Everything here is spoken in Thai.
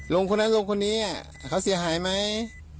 คนนั้นลุงคนนี้เขาเสียหายไหม